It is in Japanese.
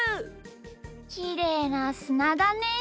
きれいなすなだね。